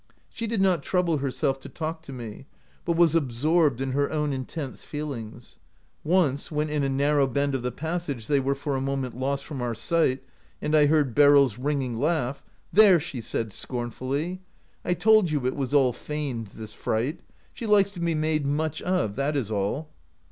She did not trouble herself to talk to me, but was absorbed in her own intense feelings. Once, when in a narrow bend of the passage they were for a moment lost from our sight, and I heard Beryl's ringing laugh, 'There!' she said, scornfully, ' I told you it was all feigned, this fright. She likes to be made much of, that is all.'